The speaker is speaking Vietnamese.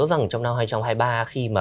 rằng trong năm hai nghìn hai mươi ba khi mà